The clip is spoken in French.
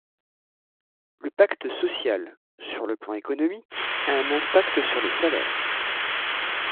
Le pacte social, sur le plan économique, a un impact sur les salaires.